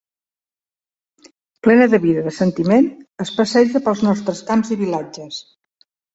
Plena de vida i de sentiment, es passeja pels nostres camps i vilatges.